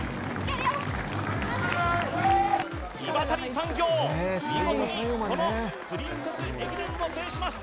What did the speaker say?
岩谷産業、見事にこのプリンセス駅伝を制します！